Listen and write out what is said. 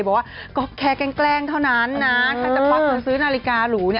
บอกว่าก็แค่แกล้งเท่านั้นนะถ้าจะควักเงินซื้อนาฬิการูเนี่ย